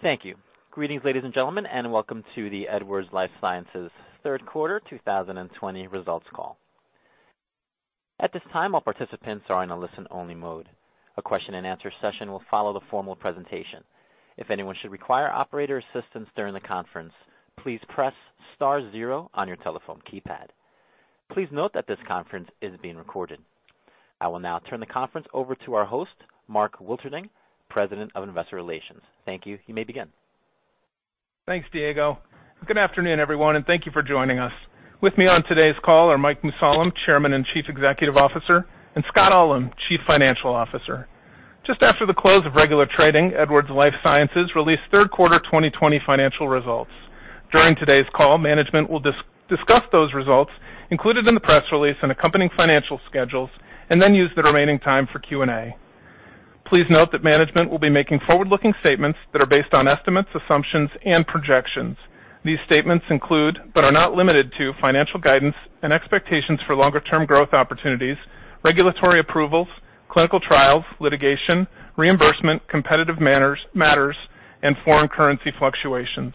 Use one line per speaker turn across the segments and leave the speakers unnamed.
Thank you. Greetings, ladies and gentlemen, and welcome to the Edwards Lifesciences third quarter 2020 results call. I will now turn the conference over to our host, Mark Wilterding, President of Investor Relations. Thank you. You may begin.
Thanks, Diego. Good afternoon, everyone, and thank you for joining us. With me on today's call are Mike Mussallem, Chairman and Chief Executive Officer, and Scott Ullem, Chief Financial Officer. Just after the close of regular trading, Edwards Lifesciences released third quarter 2020 financial results. During today's call, management will discuss those results included in the press release and accompanying financial schedules, and then use the remaining time for Q&A. Please note that management will be making forward-looking statements that are based on estimates, assumptions, and projections. These statements include, but are not limited to financial guidance and expectations for longer-term growth opportunities, regulatory approvals, clinical trials, litigation, reimbursement, competitive matters, and foreign currency fluctuations.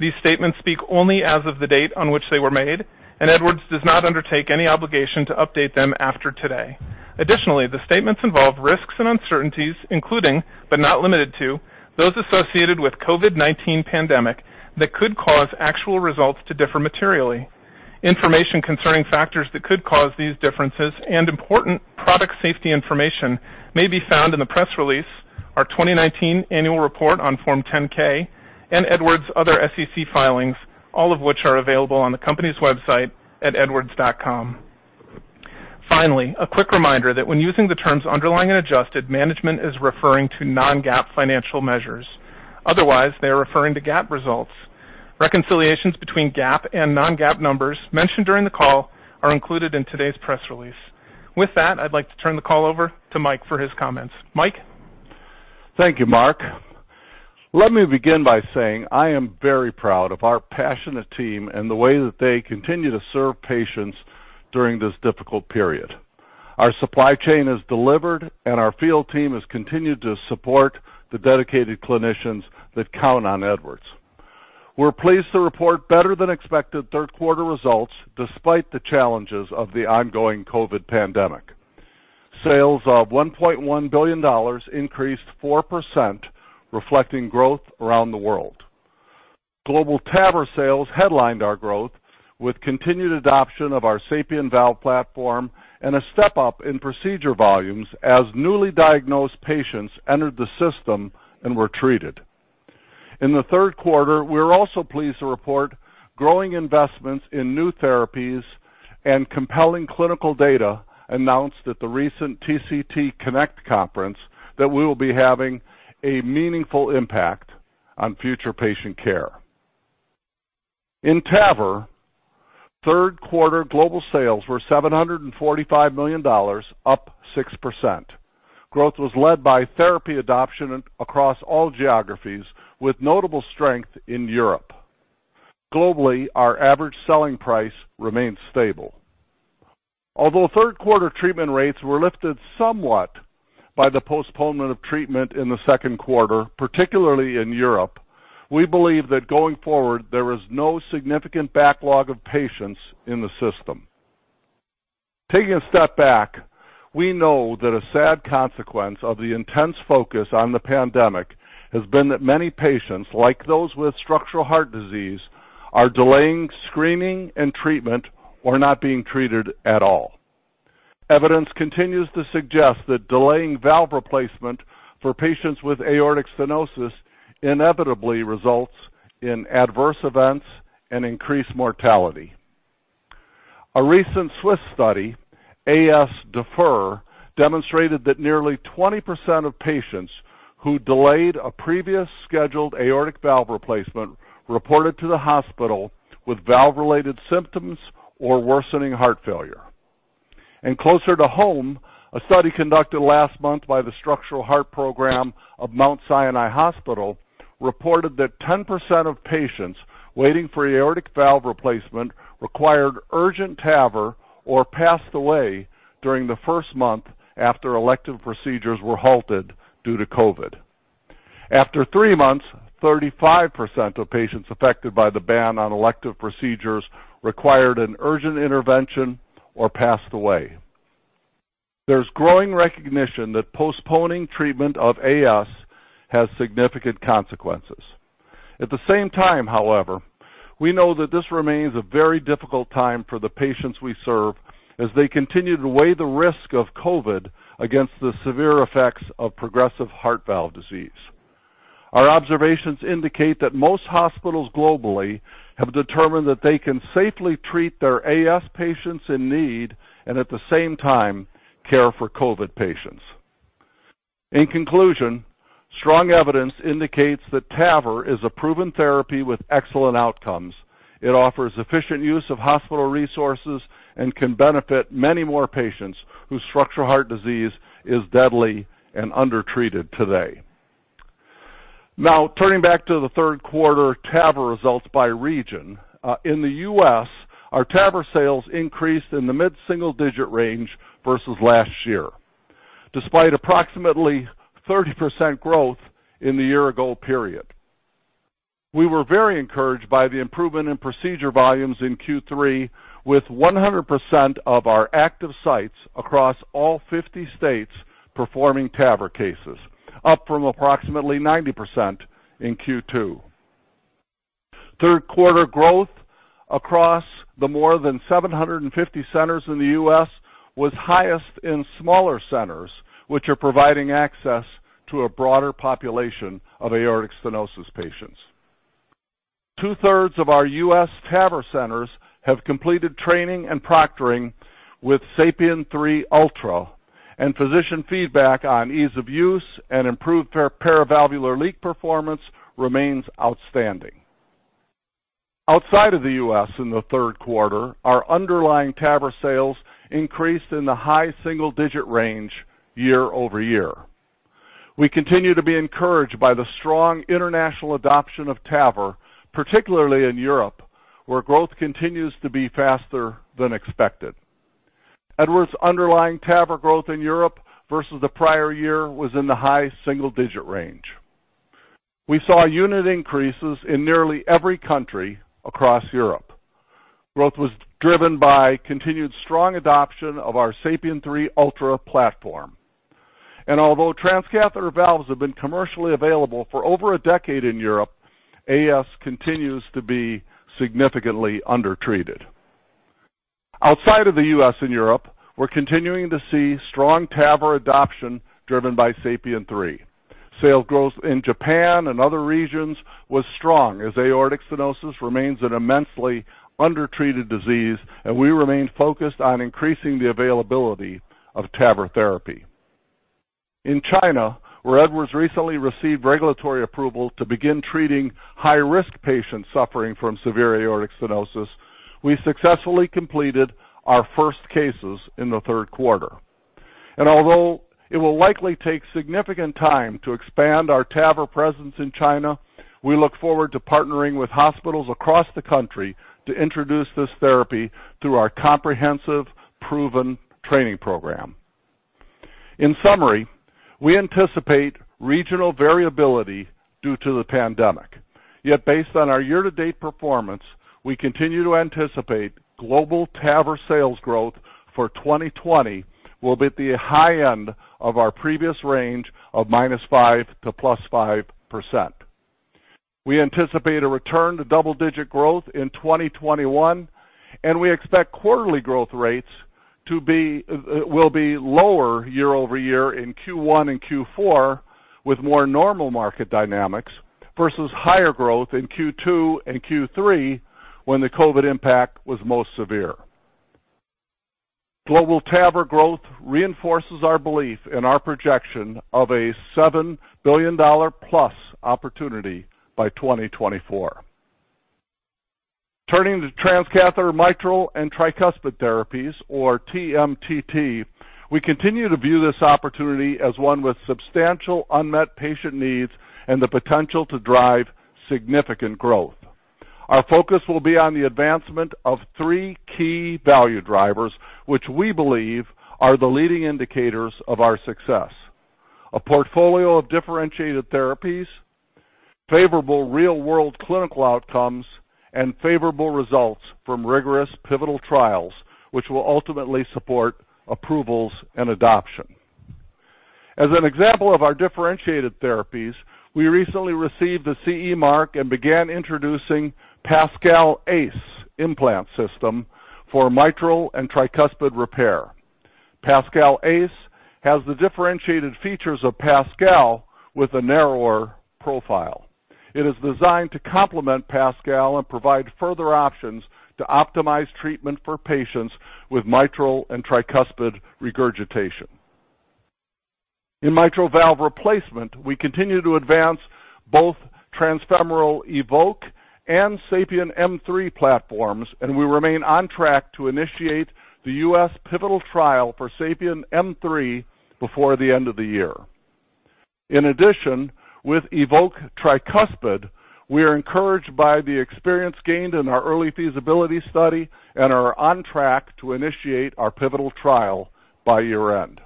These statements speak only as of the date on which they were made, and Edwards does not undertake any obligation to update them after today. Additionally, the statements involve risks and uncertainties, including, but not limited to, those associated with COVID-19 pandemic that could cause actual results to differ materially. Information concerning factors that could cause these differences and important product safety information may be found in the press release, our 2019 annual report on Form 10-K, and Edwards' other SEC filings, all of which are available on the company's website at edwards.com. Finally, a quick reminder that when using the terms underlying and adjusted, management is referring to non-GAAP financial measures. Otherwise, they are referring to GAAP results. Reconciliations between GAAP and non-GAAP numbers mentioned during the call are included in today's press release. With that, I'd like to turn the call over to Mike for his comments. Mike?
Thank you, Mark. Let me begin by saying I am very proud of our passionate team and the way that they continue to serve patients during this difficult period. Our supply chain has delivered, and our field team has continued to support the dedicated clinicians that count on Edwards. We're pleased to report better than expected third quarter results despite the challenges of the ongoing COVID pandemic. Sales of $1.1 billion increased 4%, reflecting growth around the world. Global TAVR sales headlined our growth with continued adoption of our SAPIEN valve platform and a step-up in procedure volumes as newly diagnosed patients entered the system and were treated. In the third quarter, we're also pleased to report growing investments in new therapies and compelling clinical data announced at the recent TCT Connect conference that we will be having a meaningful impact on future patient care. In TAVR, third quarter global sales were $745 million, up 6%. Growth was led by therapy adoption across all geographies, with notable strength in Europe. Globally, our average selling price remains stable. Although third quarter treatment rates were lifted somewhat by the postponement of treatment in the second quarter, particularly in Europe, we believe that going forward, there is no significant backlog of patients in the system. Taking a step back, we know that a sad consequence of the intense focus on the pandemic has been that many patients, like those with structural heart disease, are delaying screening and treatment or not being treated at all. Evidence continues to suggest that delaying valve replacement for patients with aortic stenosis inevitably results in adverse events and increased mortality. A recent Swiss study, AS DEFER, demonstrated that nearly 20% of patients who delayed a previous scheduled aortic valve replacement reported to the hospital with valve-related symptoms or worsening heart failure. Closer to home, a study conducted last month by the Structural Heart Program of Mount Sinai Hospital reported that 10% of patients waiting for aortic valve replacement required urgent TAVR or passed away during the first month after elective procedures were halted due to COVID. After three months, 35% of patients affected by the ban on elective procedures required an urgent intervention or passed away. There's growing recognition that postponing treatment of AS has significant consequences. At the same time, however, we know that this remains a very difficult time for the patients we serve as they continue to weigh the risk of COVID against the severe effects of progressive heart valve disease. Our observations indicate that most hospitals globally have determined that they can safely treat their AS patients in need and at the same time care for COVID patients. In conclusion, strong evidence indicates that TAVR is a proven therapy with excellent outcomes. It offers efficient use of hospital resources and can benefit many more patients whose structural heart disease is deadly and undertreated today. Turning back to the third quarter TAVR results by region. In the U.S., our TAVR sales increased in the mid-single-digit range versus last year, despite approximately 30% growth in the year-ago period. We were very encouraged by the improvement in procedure volumes in Q3, with 100% of our active sites across all 50 states performing TAVR cases, up from approximately 90% in Q2. Third quarter growth across the more than 750 centers in the U.S. was highest in smaller centers, which are providing access to a broader population of aortic stenosis patients. Two-thirds of our U.S. TAVR centers have completed training and proctoring with SAPIEN 3 Ultra, and physician feedback on ease of use and improved paravalvular leak performance remains outstanding. Outside of the U.S. in the third quarter, our underlying TAVR sales increased in the high single-digit range year-over-year. We continue to be encouraged by the strong international adoption of TAVR, particularly in Europe, where growth continues to be faster than expected. Edwards' underlying TAVR growth in Europe versus the prior year was in the high single-digit range. We saw unit increases in nearly every country across Europe. Growth was driven by continued strong adoption of our SAPIEN 3 Ultra platform. Although transcatheter valves have been commercially available for over a decade in Europe, AS continues to be significantly undertreated. Outside of the U.S. and Europe, we're continuing to see strong TAVR adoption driven by SAPIEN 3. Sales growth in Japan and other regions was strong as aortic stenosis remains an immensely undertreated disease, and we remain focused on increasing the availability of TAVR therapy. In China, where Edwards recently received regulatory approval to begin treating high-risk patients suffering from severe aortic stenosis, we successfully completed our first cases in the third quarter. Although it will likely take significant time to expand our TAVR presence in China, we look forward to partnering with hospitals across the country to introduce this therapy through our comprehensive proven training program. In summary, we anticipate regional variability due to the pandemic. Yet based on our year-to-date performance, we continue to anticipate global TAVR sales growth for 2020 will be at the high end of our previous range of -5% to +5%. We anticipate a return to double-digit growth in 2021, and we expect quarterly growth rates will be lower year-over-year in Q1 and Q4, with more normal market dynamics versus higher growth in Q2 and Q3 when the COVID impact was most severe. Global TAVR growth reinforces our belief and our projection of a $7 billion-plus opportunity by 2024. Turning to Transcatheter Mitral and Tricuspid Therapies, or TMTT, we continue to view this opportunity as one with substantial unmet patient needs and the potential to drive significant growth. Our focus will be on the advancement of three key value drivers, which we believe are the leading indicators of our success: a portfolio of differentiated therapies, favorable real-world clinical outcomes, and favorable results from rigorous pivotal trials, which will ultimately support approvals and adoption. As an example of our differentiated therapies, we recently received the CE mark and began introducing PASCAL Ace implant system for mitral and tricuspid repair. PASCAL Ace has the differentiated features of PASCAL with a narrower profile. It is designed to complement PASCAL and provide further options to optimize treatment for patients with mitral and tricuspid regurgitation. In mitral valve replacement, we continue to advance both transfemoral EVOQUE and SAPIEN M3 platforms, and we remain on track to initiate the U.S. pivotal trial for SAPIEN M3 before the end of the year. In addition, with EVOQUE Tricuspid, we are encouraged by the experience gained in our early feasibility study and are on track to initiate our pivotal trial by year-end.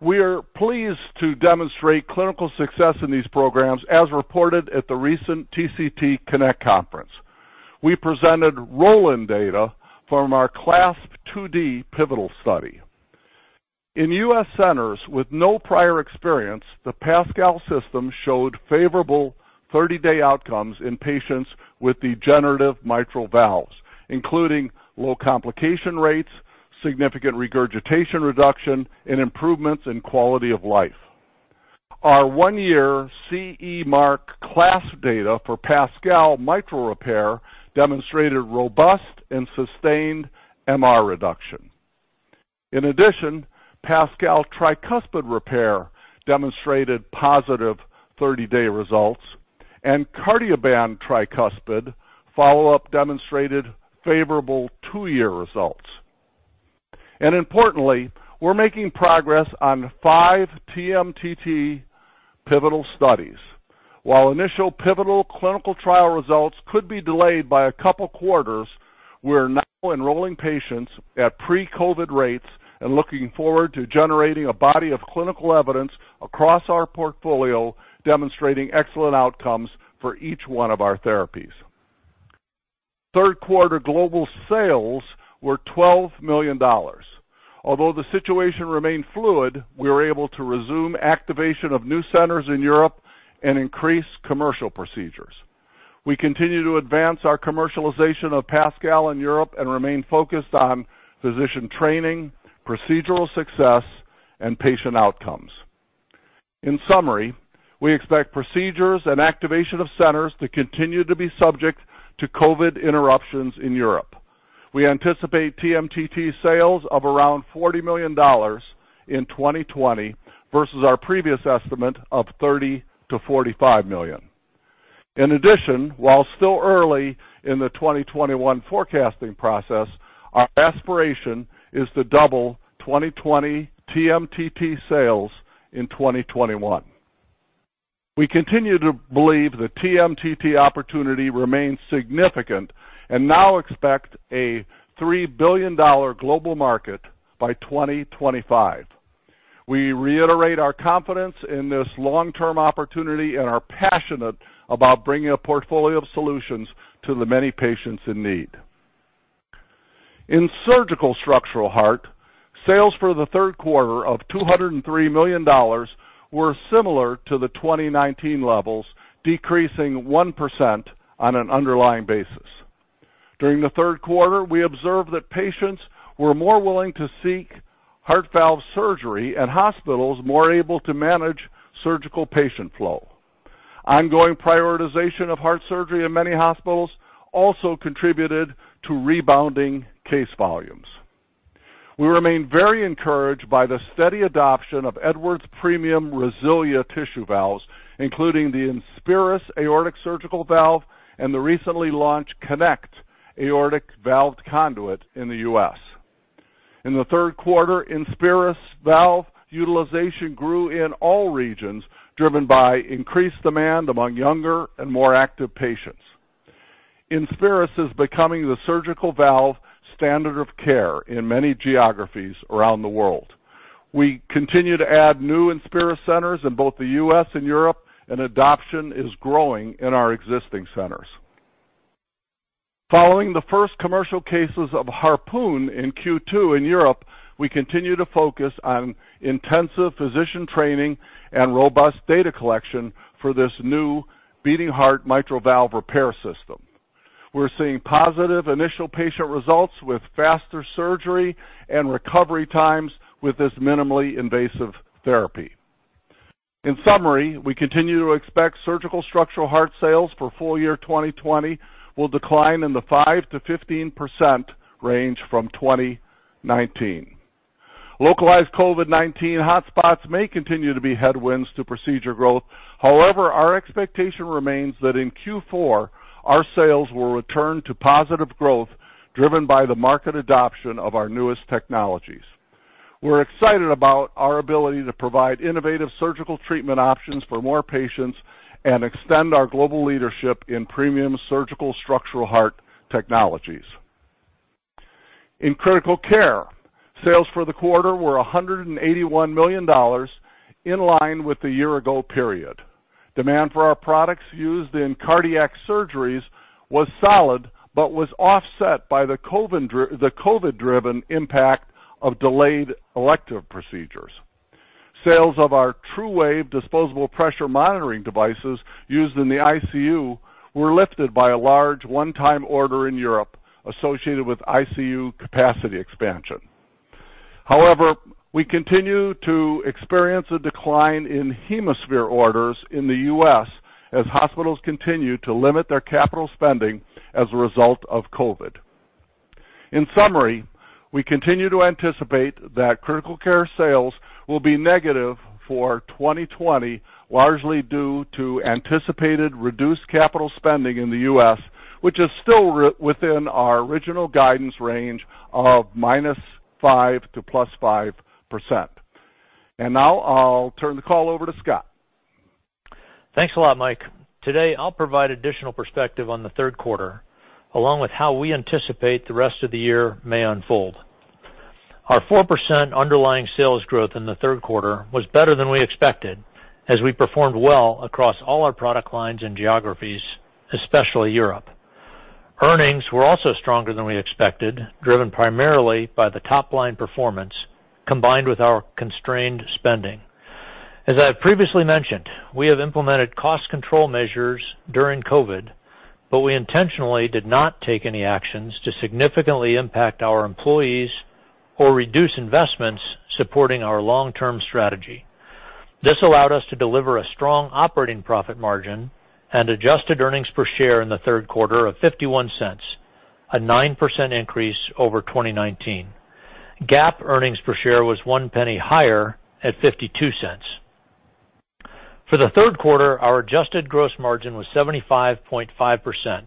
We are pleased to demonstrate clinical success in these programs, as reported at the recent TCT Connect conference. We presented roll-in data from our CLASP IID pivotal study. In U.S. centers with no prior experience, the PASCAL system showed favorable 30-day outcomes in patients with degenerative mitral valves, including low complication rates, significant regurgitation reduction, and improvements in quality of life. Our one-year CE mark CLASP data for PASCAL mitral repair demonstrated robust and sustained MR reduction. In addition, PASCAL tricuspid repair demonstrated positive 30-day results, and Cardioband tricuspid follow-up demonstrated favorable two-year results. Importantly, we're making progress on five TMTT pivotal studies. While initial pivotal clinical trial results could be delayed by a couple quarters, we're now enrolling patients at pre-COVID rates and looking forward to generating a body of clinical evidence across our portfolio, demonstrating excellent outcomes for each one of our therapies. Third quarter global sales were $12 million. Although the situation remained fluid, we were able to resume activation of new centers in Europe and increase commercial procedures. We continue to advance our commercialization of PASCAL in Europe and remain focused on physician training, procedural success, and patient outcomes. In summary, we expect procedures and activation of centers to continue to be subject to COVID interruptions in Europe. We anticipate TMTT sales of around $40 million in 2020 versus our previous estimate of $30 million-$45 million. In addition, while still early in the 2021 forecasting process, our aspiration is to double 2020 TMTT sales in 2021. We continue to believe the TMTT opportunity remains significant and now expect a $3 billion global market by 2025. We reiterate our confidence in this long-term opportunity and are passionate about bringing a portfolio of solutions to the many patients in need. In surgical structural heart, sales for the third quarter of $203 million were similar to the 2019 levels, decreasing 1% on an underlying basis. During the third quarter, we observed that patients were more willing to seek heart valve surgery and hospitals more able to manage surgical patient flow. Ongoing prioritization of heart surgery in many hospitals also contributed to rebounding case volumes. We remain very encouraged by the steady adoption of Edwards' premium RESILIA tissue valves, including the INSPIRIS aortic surgical valve and the recently launched KONECT aortic valve conduit in the U.S. In the third quarter, INSPIRIS valve utilization grew in all regions, driven by increased demand among younger and more active patients. INSPIRIS is becoming the surgical valve standard of care in many geographies around the world. We continue to add new INSPIRIS centers in both the U.S. and Europe, and adoption is growing in our existing centers. Following the first commercial cases of HARPOON in Q2 in Europe, we continue to focus on intensive physician training and robust data collection for this new beating heart mitral valve repair system. We're seeing positive initial patient results with faster surgery and recovery times with this minimally invasive therapy. In summary, we continue to expect surgical structural heart sales for full year 2020 will decline in the 5%-15% range from 2019. Localized COVID-19 hotspots may continue to be headwinds to procedure growth. However, our expectation remains that in Q4, our sales will return to positive growth driven by the market adoption of our newest technologies. We're excited about our ability to provide innovative surgical treatment options for more patients and extend our global leadership in premium surgical structural heart technologies. In critical care, sales for the quarter were $181 million, in line with the year-ago period. Demand for our products used in cardiac surgeries was solid but was offset by the COVID-driven impact of delayed elective procedures. Sales of our TruWave disposable pressure monitoring devices used in the ICU were lifted by a large one-time order in Europe associated with ICU capacity expansion. However, we continue to experience a decline in HemoSphere orders in the U.S. as hospitals continue to limit their capital spending as a result of COVID. In summary, we continue to anticipate that critical care sales will be negative for 2020, largely due to anticipated reduced capital spending in the U.S., which is still within our original guidance range of -5% to +5%. Now I'll turn the call over to Scott.
Thanks a lot, Mike. Today, I'll provide additional perspective on the third quarter, along with how we anticipate the rest of the year may unfold. Our 4% underlying sales growth in the third quarter was better than we expected, as we performed well across all our product lines and geographies, especially Europe. Earnings were also stronger than we expected, driven primarily by the top-line performance combined with our constrained spending. As I have previously mentioned, we have implemented cost control measures during COVID, but we intentionally did not take any actions to significantly impact our employees or reduce investments supporting our long-term strategy. This allowed us to deliver a strong operating profit margin and adjusted earnings per share in the third quarter of $0.51, a 9% increase over 2019. GAAP earnings per share was $0.01 higher at $0.52. For the third quarter, our adjusted gross margin was 75.5%,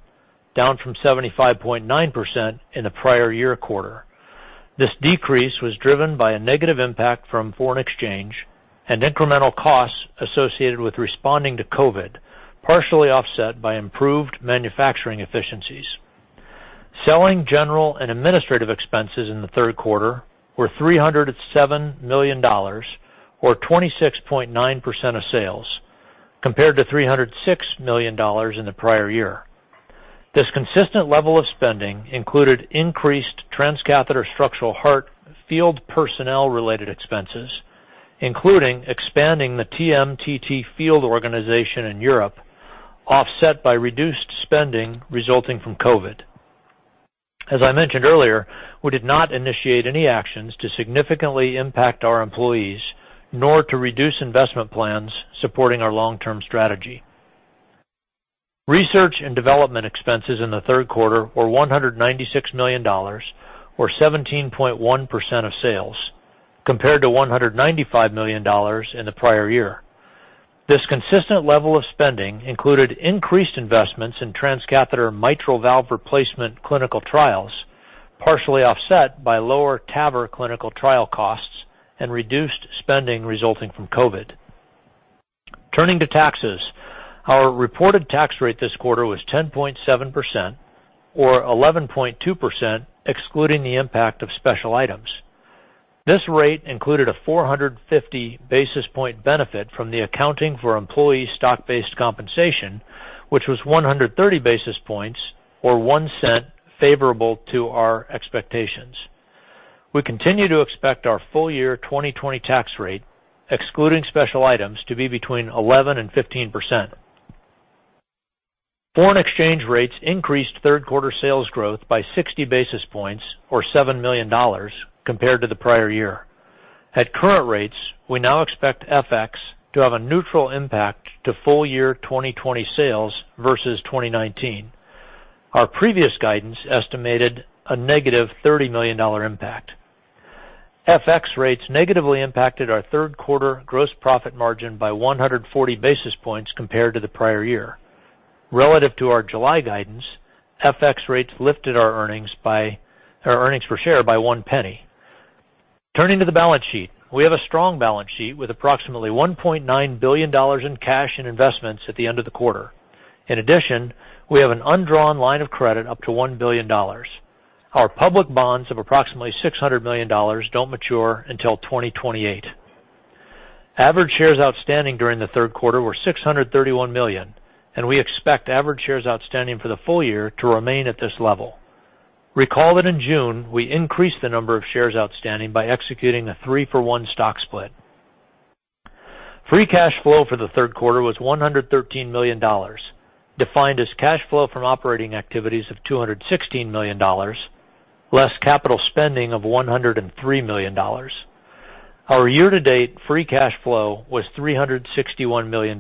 down from 75.9% in the prior year quarter. This decrease was driven by a negative impact from foreign exchange and incremental costs associated with responding to COVID, partially offset by improved manufacturing efficiencies. Selling, general, and administrative expenses in the third quarter were $307 million, or 26.9% of sales, compared to $306 million in the prior year. This consistent level of spending included increased transcatheter structural heart field personnel-related expenses, including expanding the TMTT field organization in Europe, offset by reduced spending resulting from COVID. As I mentioned earlier, we did not initiate any actions to significantly impact our employees, nor to reduce investment plans supporting our long-term strategy. Research and development expenses in the third quarter were $196 million, or 17.1% of sales, compared to $195 million in the prior year. This consistent level of spending included increased investments in transcatheter mitral valve replacement clinical trials, partially offset by lower TAVR clinical trial costs and reduced spending resulting from COVID. Turning to taxes, our reported tax rate this quarter was 10.7%, or 11.2%, excluding the impact of special items. This rate included a 450 basis point benefit from the accounting for employee stock-based compensation, which was 130 basis points or $0.01 favorable to our expectations. We continue to expect our full year 2020 tax rate, excluding special items, to be between 11% and 15%. Foreign exchange rates increased third quarter sales growth by 60 basis points or $7 million compared to the prior year. At current rates, we now expect FX to have a neutral impact to full year 2020 sales versus 2019. Our previous guidance estimated a negative $30 million impact. FX rates negatively impacted our third quarter gross profit margin by 140 basis points compared to the prior year. Relative to our July guidance, FX rates lifted our earnings per share by $0.01. Turning to the balance sheet, we have a strong balance sheet with approximately $1.9 billion in cash and investments at the end of the quarter. In addition, we have an undrawn line of credit up to $1 billion. Our public bonds of approximately $600 million don't mature until 2028. Average shares outstanding during the third quarter were 631 million. We expect average shares outstanding for the full year to remain at this level. Recall that in June, we increased the number of shares outstanding by executing a three-for-one stock split. Free cash flow for the third quarter was $113 million, defined as cash flow from operating activities of $216 million, less capital spending of $103 million. Our year-to-date free cash flow was $361 million.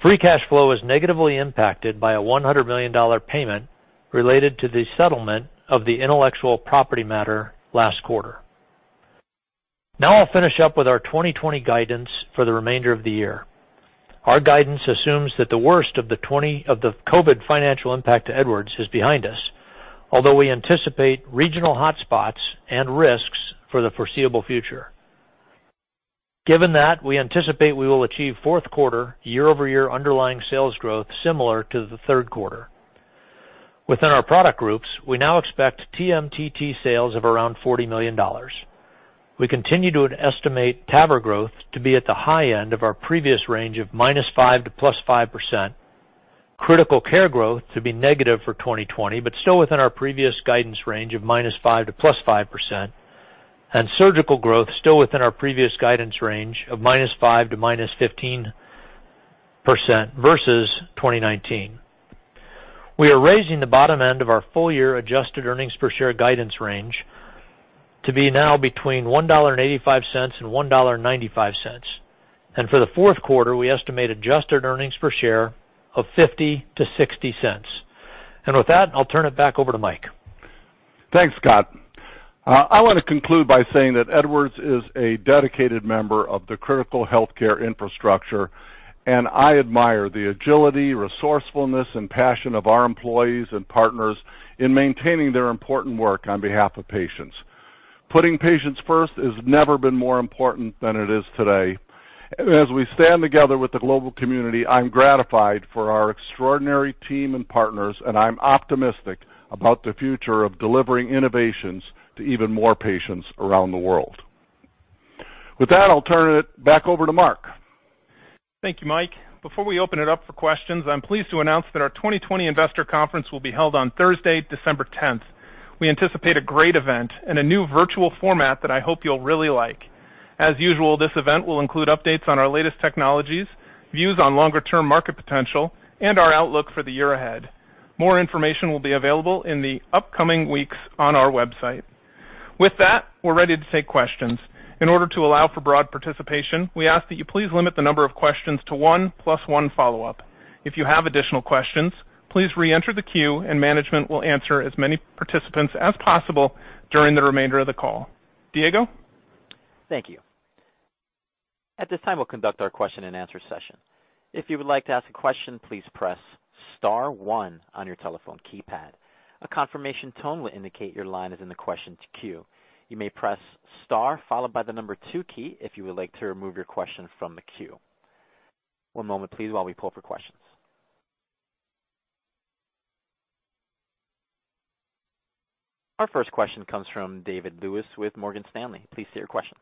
Free cash flow was negatively impacted by a $100 million payment related to the settlement of the intellectual property matter last quarter. I'll finish up with our 2020 guidance for the remainder of the year. Our guidance assumes that the worst of the COVID financial impact to Edwards is behind us, although we anticipate regional hotspots and risks for the foreseeable future. Given that, we anticipate we will achieve fourth quarter year-over-year underlying sales growth similar to the third quarter. Within our product groups, we now expect TMTT sales of around $40 million. We continue to estimate TAVR growth to be at the high end of our previous range of minus 5% to plus 5%, Critical Care growth to be negative for 2020, but still within our previous guidance range of minus 5% to plus 5%, and Surgical growth still within our previous guidance range of minus 5% to minus 15% versus 2019. We are raising the bottom end of our full-year adjusted earnings per share guidance range to be now between $1.85 and $1.95. For the fourth quarter, we estimate adjusted earnings per share of $0.50 to $0.60. With that, I'll turn it back over to Mike.
Thanks, Scott. I want to conclude by saying that Edwards is a dedicated member of the critical healthcare infrastructure, and I admire the agility, resourcefulness, and passion of our employees and partners in maintaining their important work on behalf of patients. Putting patients first has never been more important than it is today. As we stand together with the global community, I'm gratified for our extraordinary team and partners, and I'm optimistic about the future of delivering innovations to even more patients around the world. With that, I'll turn it back over to Mark.
Thank you, Mike. Before we open it up for questions, I'm pleased to announce that our 2020 investor conference will be held on Thursday, December 10th. We anticipate a great event and a new virtual format that I hope you'll really like. As usual, this event will include updates on our latest technologies, views on longer-term market potential, and our outlook for the year ahead. More information will be available in the upcoming weeks on our website. With that, we're ready to take questions. In order to allow for broad participation, we ask that you please limit the number of questions to one plus one follow-up. If you have additional questions, please reenter the queue and management will answer as many participants as possible during the remainder of the call. Diego?
Thank you. Our first question comes from David Lewis with Morgan Stanley. Please state your question.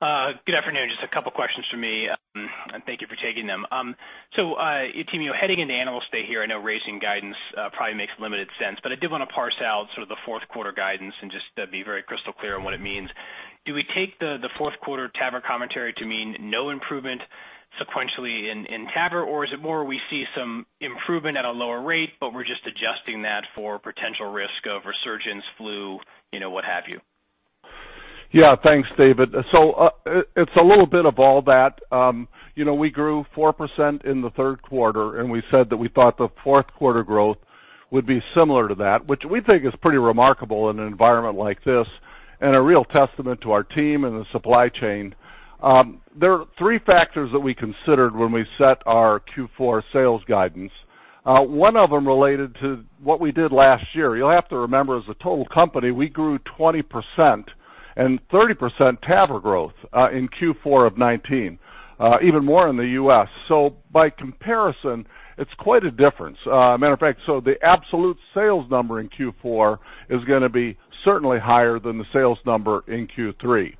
Good afternoon. Just a couple questions from me, and thank you for taking them. Your team, heading into analyst day here, I know raising guidance probably makes limited sense, but I did want to parse out sort of the fourth quarter guidance and just be very crystal clear on what it means. Do we take the fourth quarter TAVR commentary to mean no improvement sequentially in TAVR? Or is it more we see some improvement at a lower rate, but we're just adjusting that for potential risk of resurgence flu, what have you?
Thanks, David. It's a little bit of all that. We grew 4% in the third quarter, and we said that we thought the fourth quarter growth would be similar to that, which we think is pretty remarkable in an environment like this, and a real testament to our team and the supply chain. There are three factors that we considered when we set our Q4 sales guidance. One of them related to what we did last year. You'll have to remember, as a total company, we grew 20% and 30% TAVR growth in Q4 of 2019, even more in the U.S. By comparison, it's quite a difference. Matter of fact, the absolute sales number in Q4 is going to be certainly higher than the sales number in Q3.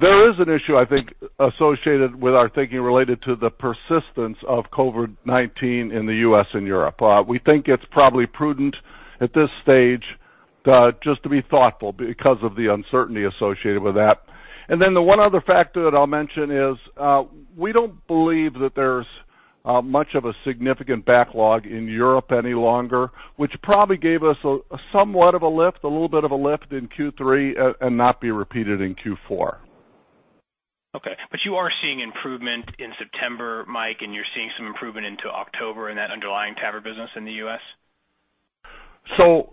There is an issue, I think, associated with our thinking related to the persistence of COVID-19 in the U.S. and Europe. We think it's probably prudent at this stage just to be thoughtful because of the uncertainty associated with that. The one other factor that I'll mention is, we don't believe that there's much of a significant backlog in Europe any longer, which probably gave us somewhat of a lift, a little bit of a lift in Q3, and not be repeated in Q4.
Okay. You are seeing improvement in September, Mike, and you're seeing some improvement into October in that underlying TAVR business in the U.S.?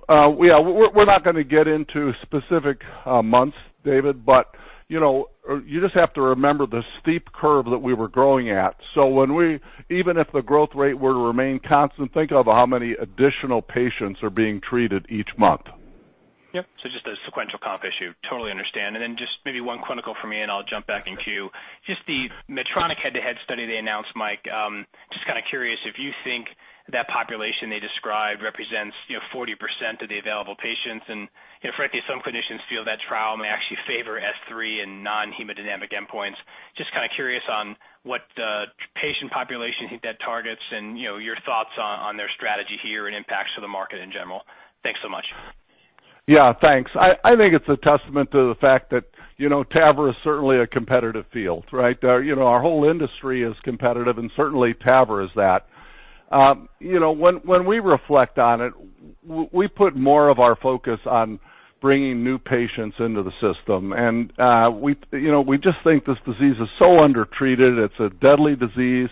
We're not going to get into specific months, David, but you just have to remember the steep curve that we were growing at. Even if the growth rate were to remain constant, think of how many additional patients are being treated each month.
Yep. Just a sequential comp issue. Totally understand. Then just maybe one clinical from me, and I'll jump back in queue. Just the Medtronic head-to-head study they announced, Mike. Just kind of curious if you think that population they describe represents 40% of the available patients. Frankly, some clinicians feel that trial may actually favor S3 and non-hemodynamic endpoints. Just kind of curious on what patient population that targets and your thoughts on their strategy here and impacts to the market in general. Thanks so much.
Thanks. I think it's a testament to the fact that TAVR is certainly a competitive field, right? Our whole industry is competitive and certainly TAVR is that. When we reflect on it, we put more of our focus on bringing new patients into the system, and we just think this disease is so undertreated. It's a deadly disease.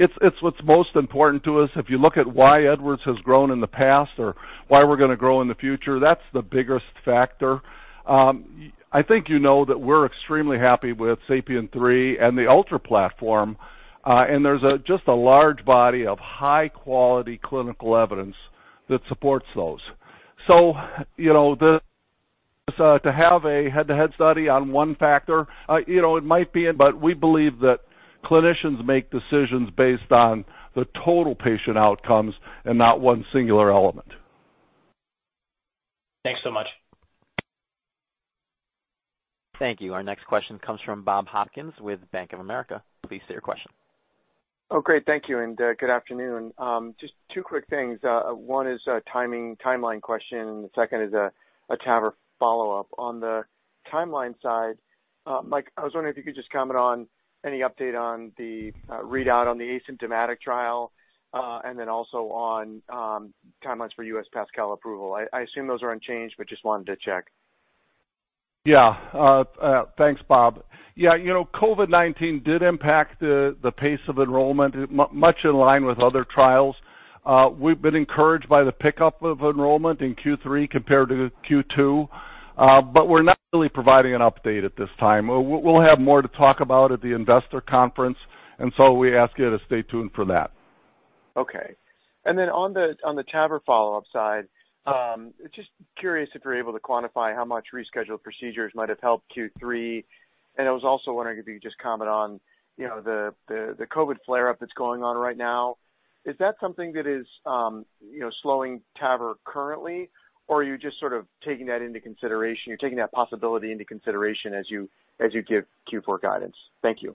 It's what's most important to us. If you look at why Edwards has grown in the past or why we're going to grow in the future, that's the biggest factor. I think you know that we're extremely happy with SAPIEN 3 and the Ultra platform. There's just a large body of high-quality clinical evidence that supports those. To have a head-to-head study on one factor, it might be, but we believe that clinicians make decisions based on the total patient outcomes and not one singular element.
Thanks so much.
Thank you. Our next question comes from Bob Hopkins with Bank of America. Please state your question.
Oh, great. Thank you, and good afternoon. Just two quick things. One is a timeline question and the second is a TAVR follow-up. On the timeline side, Mike, I was wondering if you could just comment on any update on the readout on the asymptomatic trial, and then also on timelines for U.S. PASCAL approval. I assume those are unchanged, but just wanted to check.
Yeah. Thanks, Bob. COVID-19 did impact the pace of enrollment, much in line with other trials. We've been encouraged by the pickup of enrollment in Q3 compared to Q2. We're not really providing an update at this time. We'll have more to talk about at the investor conference, we ask you to stay tuned for that.
Okay. On the TAVR follow-up side, just curious if you're able to quantify how much rescheduled procedures might have helped Q3. I was also wondering if you could just comment on the COVID flare up that's going on right now. Is that something that is slowing TAVR currently, or are you just sort of taking that into consideration? You're taking that possibility into consideration as you give Q4 guidance. Thank you.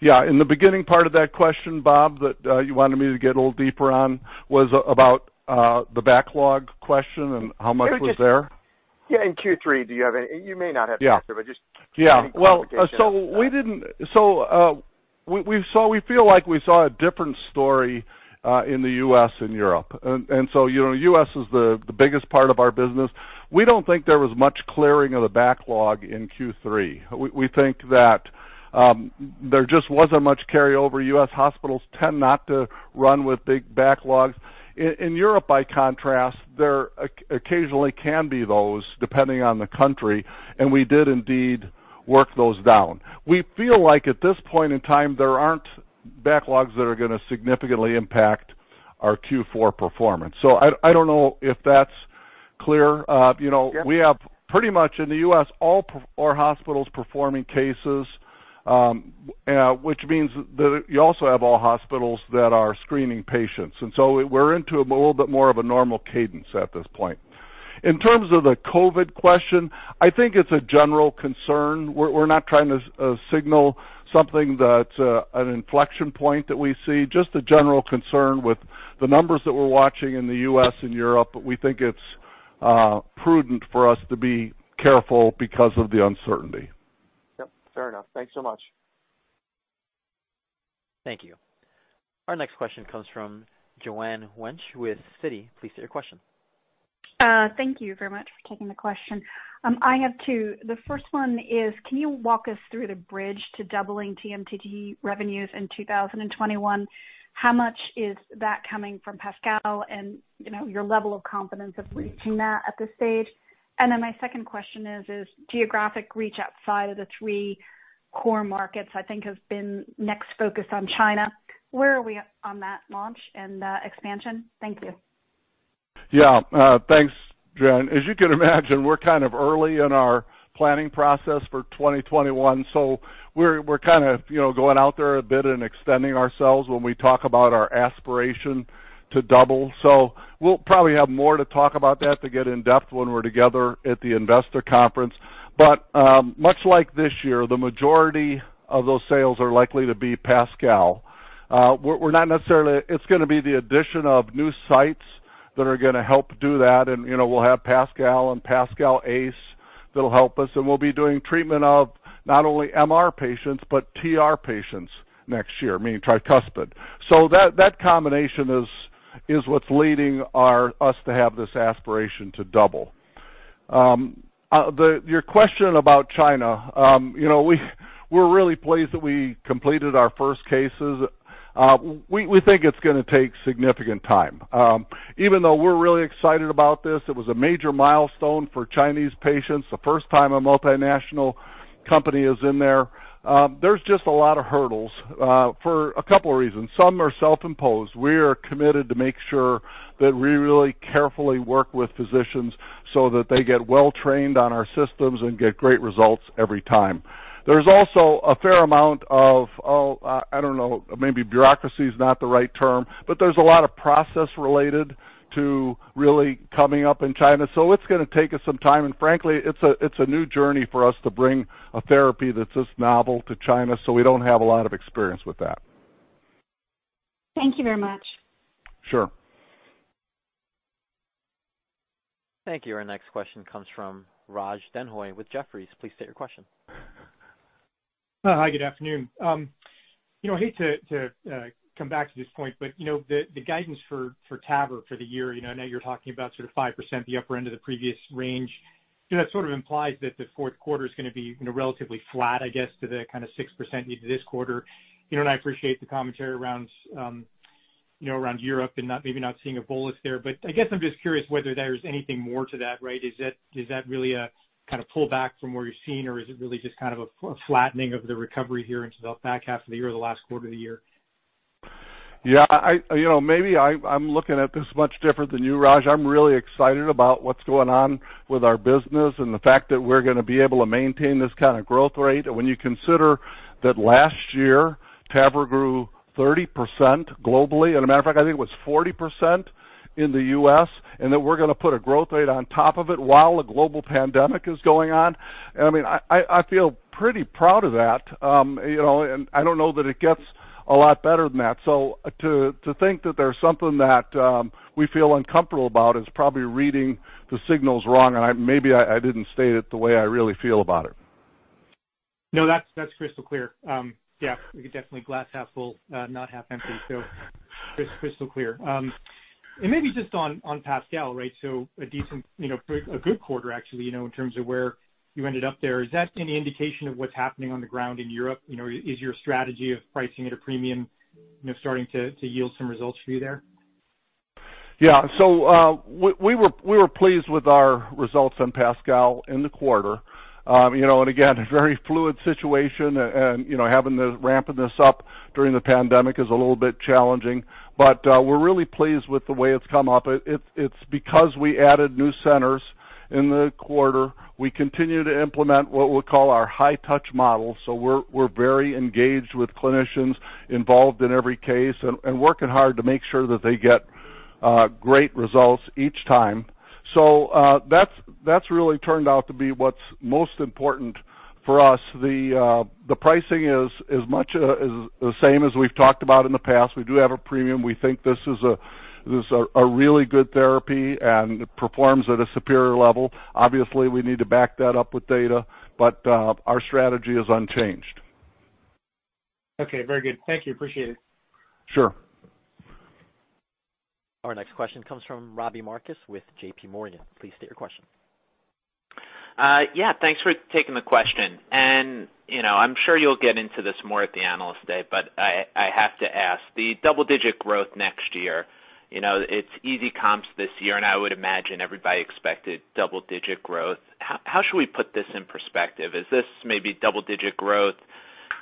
Yeah. In the beginning part of that question, Bob, that you wanted me to get a little deeper on, was about the backlog question and how much was there?
Yeah. In Q3, do you have any?
Yeah
Just any clarification.
We feel like we saw a different story in the U.S. and Europe. U.S. is the biggest part of our business. We don't think there was much clearing of the backlog in Q3. We think there just wasn't much carryover. U.S. hospitals tend not to run with big backlogs. In Europe, by contrast, there occasionally can be those, depending on the country, and we did indeed work those down. We feel like at this point in time, there aren't backlogs that are going to significantly impact our Q4 performance. I don't know if that's clear.
Yep.
We have pretty much in the U.S., all hospitals performing cases, which means that you also have all hospitals that are screening patients. We're into a little bit more of a normal cadence at this point. In terms of the COVID question, I think it's a general concern. We're not trying to signal something that's an inflection point that we see, just a general concern with the numbers that we're watching in the U.S. and Europe, but we think it's prudent for us to be careful because of the uncertainty.
Yep, fair enough. Thanks so much.
Thank you. Our next question comes from Joanne Wuensch with Citi. Please state your question.
Thank you very much for taking the question. I have two. The first one is, can you walk us through the bridge to doubling TMTT revenues in 2021? How much is that coming from PASCAL, and your level of confidence of reaching that at this stage? My second question is, geographic reach outside of the three core markets, I think has been next focus on China. Where are we on that launch and expansion? Thank you.
Yeah. Thanks, Joanne. As you can imagine, we're kind of early in our planning process for 2021, we're kind of going out there a bit and extending ourselves when we talk about our aspiration to double. We'll probably have more to talk about that to get in-depth when we're together at the investor conference. Much like this year, the majority of those sales are likely to be PASCAL. It's going to be the addition of new sites that are going to help do that, and we'll have PASCAL and PASCAL Ace that'll help us, and we'll be doing treatment of not only MR patients but TR patients next year, meaning tricuspid. That combination is what's leading us to have this aspiration to double. Your question about China. We're really pleased that we completed our first cases. We think it's going to take significant time. Even though we're really excited about this, it was a major milestone for Chinese patients. The first time a multinational company is in there. There's just a lot of hurdles, for a couple of reasons. Some are self-imposed. We are committed to make sure that we really carefully work with physicians so that they get well trained on our systems and get great results every time. There's also a fair amount of, I don't know, maybe bureaucracy is not the right term, but there's a lot of process related to really coming up in China. It's going to take us some time, and frankly, it's a new journey for us to bring a therapy that's this novel to China, so we don't have a lot of experience with that.
Thank you very much.
Sure.
Thank you. Our next question comes from Raj Denhoy with Jefferies. Please state your question.
Hi, good afternoon. I hate to come back to this point, but the guidance for TAVR for the year, I know you're talking about sort of 5%, the upper end of the previous range. That sort of implies that the fourth quarter is going to be relatively flat, I guess, to the kind of 6% this quarter. I appreciate the commentary around Europe and maybe not seeing a bolus there. I guess I'm just curious whether there's anything more to that, right? Is that really a kind of pull back from where you're seeing, or is it really just kind of a flattening of the recovery here into the back half of the year or the last quarter of the year?
Yeah. Maybe I'm looking at this much different than you, Raj. I'm really excited about what's going on with our business and the fact that we're going to be able to maintain this kind of growth rate. When you consider that last year, TAVR grew 30% globally, and a matter of fact, I think it was 40% in the U.S., and that we're going to put a growth rate on top of it while a global pandemic is going on. I feel pretty proud of that. I don't know that it gets a lot better than that. To think that there's something that we feel uncomfortable about is probably reading the signals wrong, and maybe I didn't state it the way I really feel about it.
No, that's crystal clear. Yeah, we could definitely glass half full, not half empty. It's crystal clear. Maybe just on PASCAL, a good quarter, actually, in terms of where you ended up there. Is that any indication of what's happening on the ground in Europe? Is your strategy of pricing at a premium starting to yield some results for you there?
Yeah. We were pleased with our results on PASCAL in the quarter. Again, a very fluid situation and having to ramp this up during the pandemic is a little bit challenging, but we're really pleased with the way it's come up. It's because we added new centers in the quarter. We continue to implement what we call our high touch model. We're very engaged with clinicians involved in every case and working hard to make sure that they get great results each time. That's really turned out to be what's most important for us. The pricing is much the same as we've talked about in the past. We do have a premium. We think this is a really good therapy, and it performs at a superior level. Obviously, we need to back that up with data, our strategy is unchanged.
Okay, very good. Thank you. Appreciate it.
Sure.
Our next question comes from Robbie Marcus with JP Morgan. Please state your question.
Yeah, thanks for taking the question. I'm sure you'll get into this more at the Analyst Day, but I have to ask. The double-digit growth next year, it's easy comps this year, and I would imagine everybody expected double-digit growth. How should we put this in perspective? Is this maybe double-digit growth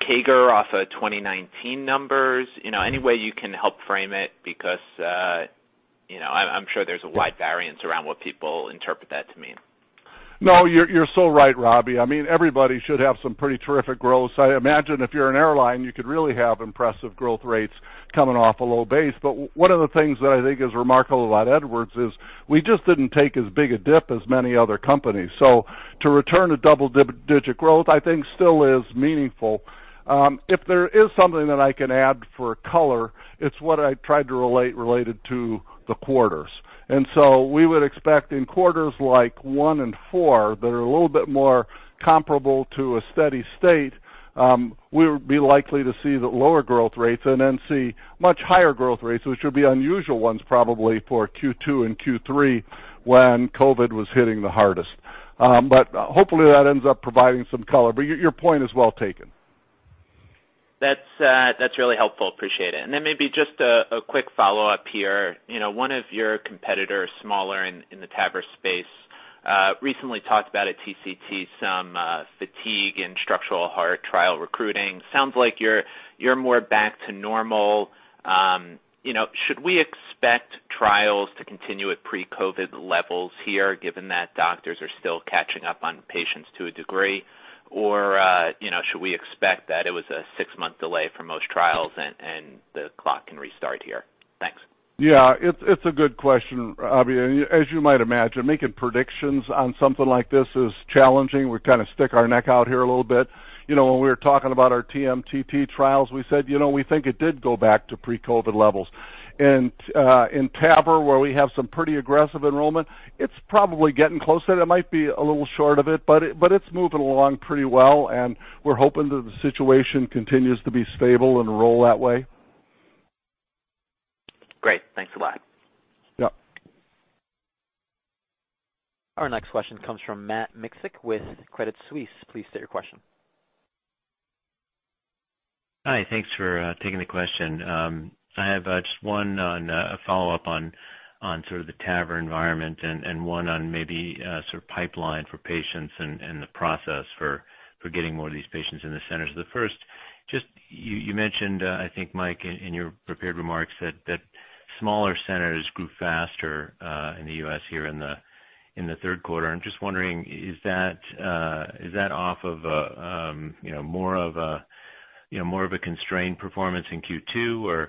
CAGR off of 2019 numbers? Any way you can help frame it because I'm sure there's a wide variance around what people interpret that to mean.
You're so right, Robbie. Everybody should have some pretty terrific growth. I imagine if you're an airline, you could really have impressive growth rates coming off a low base. One of the things that I think is remarkable about Edwards is we just didn't take as big a dip as many other companies. To return to double-digit growth, I think, still is meaningful. If there is something that I can add for color, it's what I tried to relate to the quarters. We would expect in quarters like one and four that are a little bit more comparable to a steady state, we would be likely to see the lower growth rates and then see much higher growth rates, which would be unusual ones probably for Q2 and Q3 when COVID was hitting the hardest. Hopefully that ends up providing some color. Your point is well taken.
That's really helpful. Appreciate it. Maybe just a quick follow-up here. One of your competitors, smaller in the TAVR space, recently talked about at TCT some fatigue in structural heart trial recruiting. Sounds like you're more back to normal. Should we expect trials to continue at pre-COVID levels here, given that doctors are still catching up on patients to a degree? Or should we expect that it was a six-month delay for most trials and the clock can restart here? Thanks.
Yeah. It's a good question, Robbie. As you might imagine, making predictions on something like this is challenging. We kind of stick our neck out here a little bit. When we were talking about our TMTT trials, we said we think it did go back to pre-COVID levels. In TAVR, where we have some pretty aggressive enrollment, it's probably getting close to it. It might be a little short of it, but it's moving along pretty well, and we're hoping that the situation continues to be stable and roll that way.
Great. Thanks a lot.
Yep.
Our next question comes from Matt Miksic with Credit Suisse. Please state your question.
Hi. Thanks for taking the question. I have just one on a follow-up on sort of the TAVR environment and one on maybe sort of pipeline for patients and the process for getting more of these patients in the centers. The first, just you mentioned, I think, Mike, in your prepared remarks that smaller centers grew faster in the U.S. here in the third quarter. I'm just wondering, is that off of more of a constrained performance in Q2, or you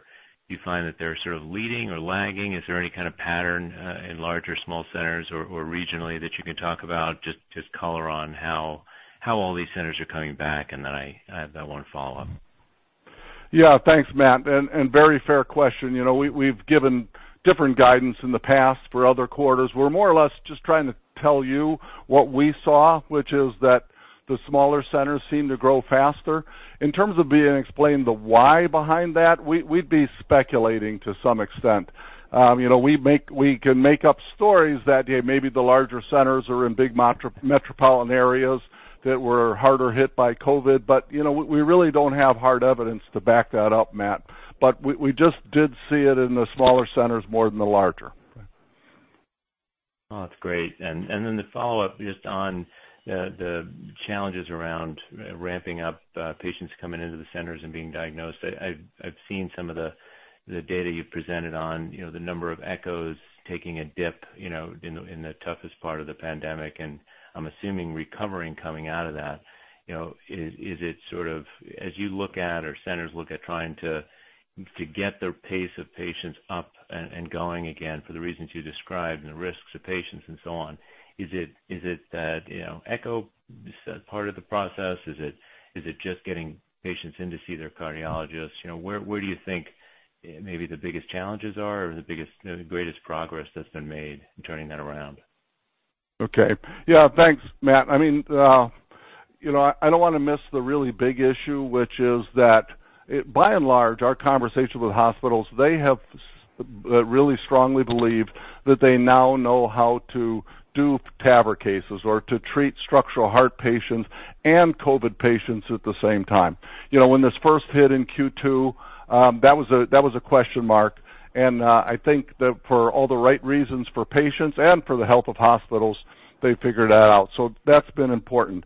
find that they're sort of leading or lagging? Is there any kind of pattern in larger, small centers or regionally that you can talk about? Just color on how all these centers are coming back. I have that one follow-up.
Yeah. Thanks, Matt, very fair question. We've given different guidance in the past for other quarters. We're more or less just trying to tell you what we saw, which is that the smaller centers seem to grow faster. In terms of being explained the why behind that, we'd be speculating to some extent. We can make up stories that, yeah, maybe the larger centers are in big metropolitan areas that were harder hit by COVID, we really don't have hard evidence to back that up, Matt. We just did see it in the smaller centers more than the larger.
Oh, that's great. The follow-up just on the challenges around ramping up patients coming into the centers and being diagnosed. I've seen some of the data you've presented on the number of echoes taking a dip in the toughest part of the pandemic, and I'm assuming recovering coming out of that. As you look at or centers look at trying to get their pace of patients up and going again for the reasons you described and the risks to patients and so on, is it that echo is part of the process? Is it just getting patients in to see their cardiologists? Where do you think maybe the biggest challenges are or the greatest progress that's been made in turning that around?
Okay. Yeah. Thanks, Matt. I don't want to miss the really big issue, which is that by and large, our conversations with hospitals, they have really strongly believed that they now know how to do TAVR cases or to treat structural heart patients and COVID patients at the same time. When this first hit in Q2, that was a question mark, and I think that for all the right reasons for patients and for the health of hospitals, they figured that out. That's been important.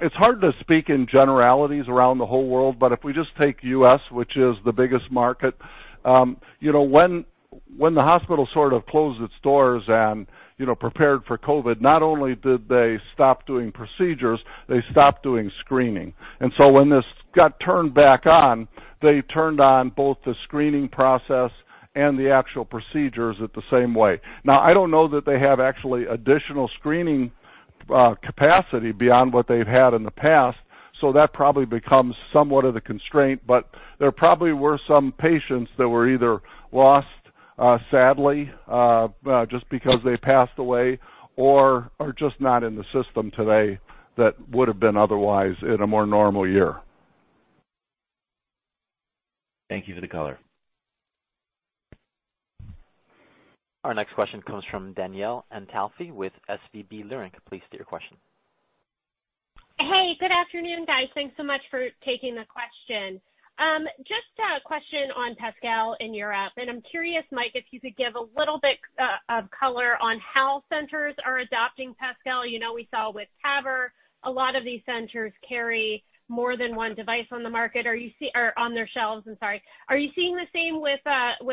It's hard to speak in generalities around the whole world, but if we just take U.S., which is the biggest market. When the hospital sort of closed its doors and prepared for COVID, not only did they stop doing procedures, they stopped doing screening. When this got turned back on, they turned on both the screening process and the actual procedures at the same way. Now, I don't know that they have actually additional screening capacity beyond what they've had in the past. That probably becomes somewhat of a constraint, but there probably were some patients that were either lost, sadly, just because they passed away or are just not in the system today that would have been otherwise in a more normal year.
Thank you for the color.
Our next question comes from Danielle Antalffy with SVB Leerink. Please state your question.
Hey, good afternoon, guys. Thanks so much for taking the question. Just a question on PASCAL in Europe. I'm curious, Mike, if you could give a little bit of color on how centers are adopting PASCAL. We saw with TAVR, a lot of these centers carry more than one device on their shelves. Are you seeing the same with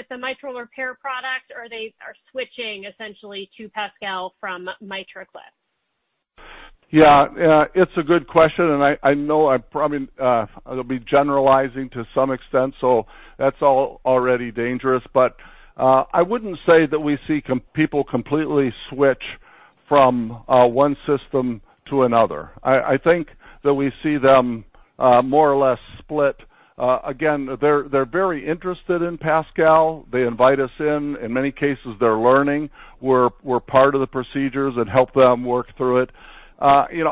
the mitral repair product, or they are switching essentially to PASCAL from MitraClip?
Yeah. It's a good question, and I know it'll be generalizing to some extent, so that's already dangerous. I wouldn't say that we see people completely switch from one system to another. I think that we see them more or less split. Again, they're very interested in PASCAL. They invite us in. In many cases, they're learning. We're part of the procedures and help them work through it. As we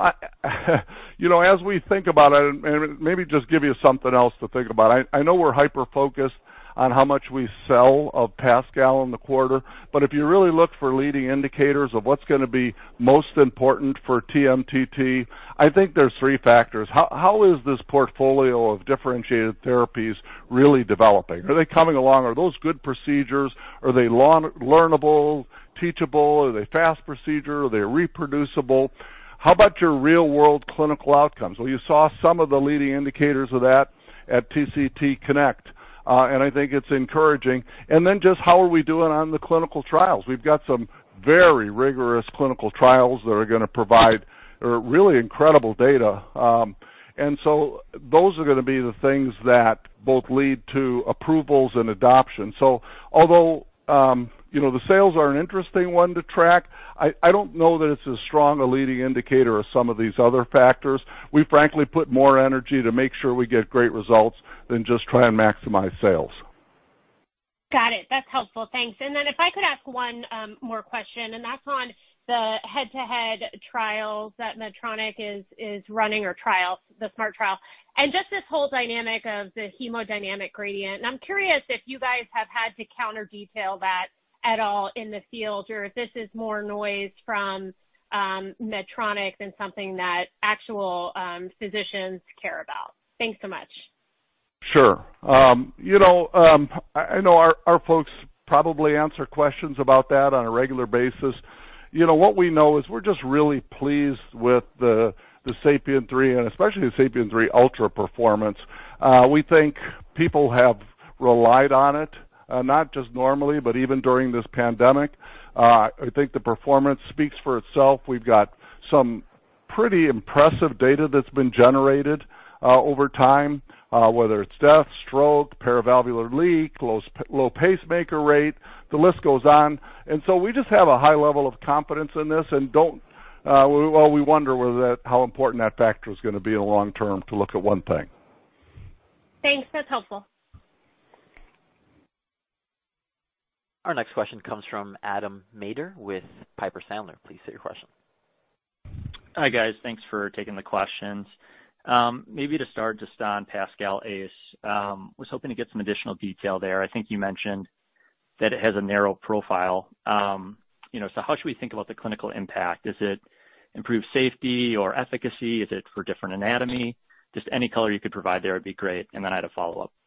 think about it, and maybe just give you something else to think about. I know we're hyper-focused on how much we sell of PASCAL in the quarter, but if you really look for leading indicators of what's going to be most important for TMTT, I think there's three factors. How is this portfolio of differentiated therapies really developing? Are they coming along? Are those good procedures? Are they learnable, teachable? Are they fast procedure? Are they reproducible? How about your real-world clinical outcomes? Well, you saw some of the leading indicators of that at TCT Connect. I think it's encouraging. Just how are we doing on the clinical trials? We've got some very rigorous clinical trials that are going to provide really incredible data. Those are going to be the things that both lead to approvals and adoption. Although the sales are an interesting one to track, I don't know that it's as strong a leading indicator as some of these other factors. We frankly put more energy to make sure we get great results than just try and maximize sales.
Got it. That's helpful. Thanks. Then if I could ask one more question, and that's on the head-to-head trials that Medtronic is running or the SMART trial, and just this whole dynamic of the hemodynamic gradient. I'm curious if you guys have had to counter detail that at all in the field, or if this is more noise from Medtronic than something that actual physicians care about. Thanks so much.
Sure. I know our folks probably answer questions about that on a regular basis. What we know is we're just really pleased with the SAPIEN 3 and especially the SAPIEN 3 Ultra performance. We think people have relied on it, not just normally, but even during this pandemic. I think the performance speaks for itself. We've got some pretty impressive data that's been generated over time, whether it's death, stroke, paravalvular leak, low pacemaker rate, the list goes on. We just have a high level of confidence in this and we wonder how important that factor is going to be in the long term to look at one thing.
Thanks. That's helpful.
Our next question comes from Adam Maeder with Piper Sandler. Please state your question.
Hi, guys. Thanks for taking the questions. Maybe to start just on PASCAL Ace. Was hoping to get some additional detail there. I think you mentioned that it has a narrow profile. How should we think about the clinical impact? Is it improved safety or efficacy? Is it for different anatomy? Just any color you could provide there would be great. Then I had a follow-up.
Yep.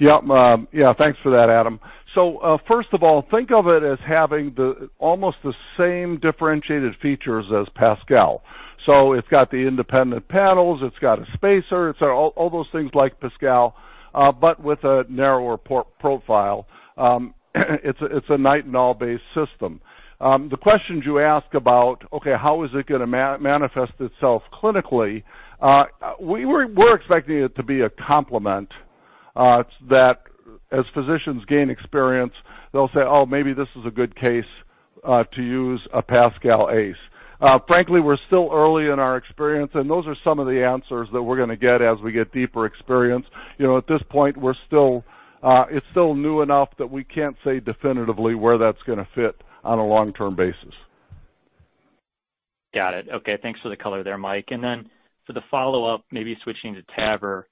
Yeah, thanks for that, Adam Maeder. First of all, think of it as having almost the same differentiated features as PASCAL. It's got the independent paddles, it's got a spacer, all those things like PASCAL, but with a narrower profile. It's a nitinol-based system. The questions you ask about, okay, how is it going to manifest itself clinically? We're expecting it to be a complement, that as physicians gain experience, they'll say, "Oh, maybe this is a good case to use a PASCAL Ace." Frankly, we're still early in our experience, and those are some of the answers that we're going to get as we get deeper experience. At this point, it's still new enough that we can't say definitively where that's going to fit on a long-term basis.
Got it. Okay, thanks for the color there, Mike. For the follow-up, maybe switching to TAVR.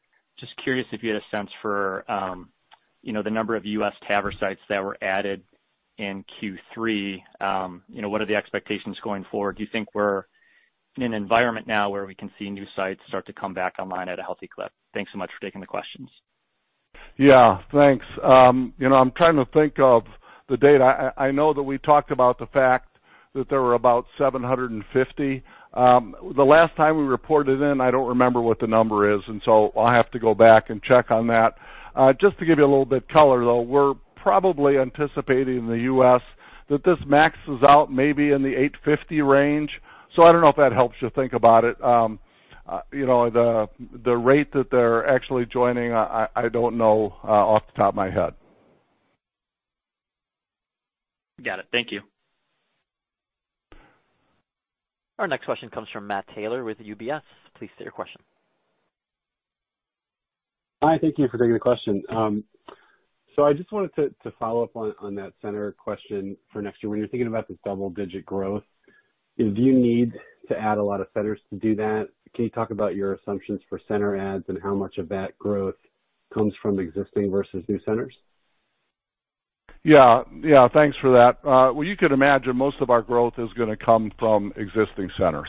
Just curious if you had a sense for the number of U.S. TAVR sites that were added in Q3. What are the expectations going forward? Do you think we're in an environment now where we can see new sites start to come back online at a healthy clip? Thanks so much for taking the questions.
Yeah. Thanks. I'm trying to think of the data. I know that we talked about the fact that there were about 750. The last time we reported in, I don't remember what the number is, and so I'll have to go back and check on that. Just to give you a little bit of color, though, we're probably anticipating the U.S. that this maxes out maybe in the 850 range. I don't know if that helps you think about it. The rate that they're actually joining, I don't know off the top of my head.
Got it. Thank you.
Our next question comes from Matt Taylor with UBS. Please state your question.
Hi, thank you for taking the question. I just wanted to follow up on that center question for next year. When you're thinking about this double-digit growth, do you need to add a lot of centers to do that? Can you talk about your assumptions for center adds and how much of that growth comes from existing versus new centers?
Yeah. Thanks for that. Well, you could imagine most of our growth is going to come from existing centers.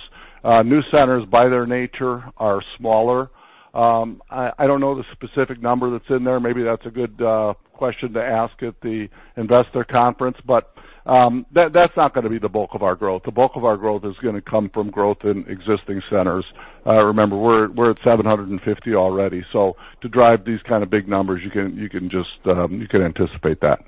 New centers, by their nature, are smaller. I don't know the specific number that's in there. Maybe that's a good question to ask at the investor conference, but that's not going to be the bulk of our growth. The bulk of our growth is going to come from growth in existing centers. Remember, we're at 750 already. To drive these kind of big numbers, you can anticipate that.